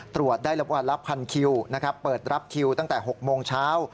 ตรวจได้วันละพันคิวนะครับเปิดรับคิวตั้งแต่๖โมงเช้า